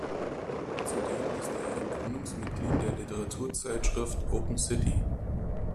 Zudem ist er ein Gründungsmitglied der Literaturzeitschrift Open City.